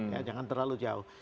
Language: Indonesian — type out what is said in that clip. ya jangan terlalu jauh